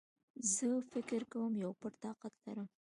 زه فکر کوم يو پټ طاقت لرم